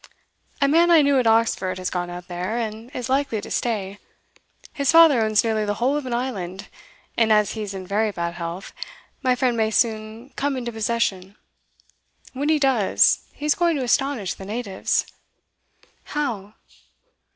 A man I knew at Oxford has gone out there, and is likely to stay. His father owns nearly the whole of an island; and as he's in very bad health, my friend may soon come into possession. When he does, he's going to astonish the natives.' 'How?